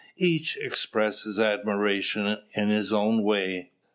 Each expresses admiration in his own way.